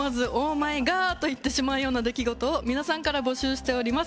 マエガーと言ってしまうような出来事を皆さんから募集しております